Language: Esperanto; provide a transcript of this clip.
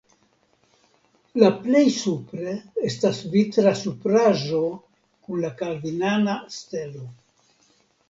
La plej supre estas vitra supraĵo kun la kalvinana stelo.